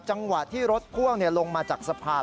จังหวะที่รถพ่วงลงมาจากสะพาน